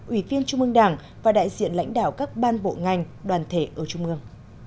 ủy viên trung ương đảng và đại diện lãnh đạo các ban bộ ngành đoàn thể ở trung ương